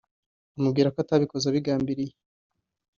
amubwira ko atabikoze abigambiriye